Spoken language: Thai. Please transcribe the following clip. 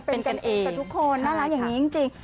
เป็นกันเองเป็นกันเองกับทุกคนน่ารักอย่างนี้จริง